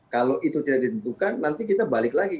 kalau itu tidak ditentukan nanti kita balik lagi